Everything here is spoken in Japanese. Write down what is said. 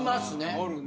おるね。